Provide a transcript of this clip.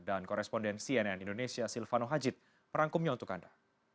dan koresponden cnn indonesia silvano hajid perangkumnya untuk anda